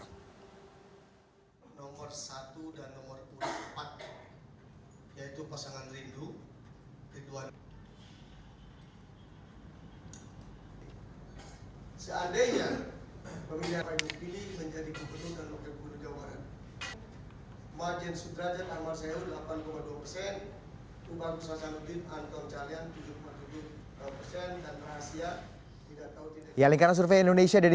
nomor satu dan nomor empat yaitu pasangan rindu ridwan